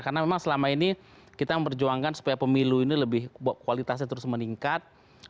karena memang selama ini kita memperjuangkan supaya pemilu ini lebih kualitasnya terus meningkat